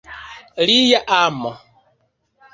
Lia amo.